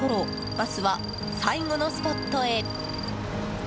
バスは最後のスポットへ。